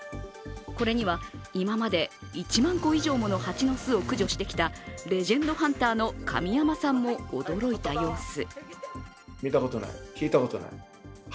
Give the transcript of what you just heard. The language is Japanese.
これには、今まで１万個以上もの蜂の巣を駆除してきたレジェンドハンターの神山さんも驚いた様子。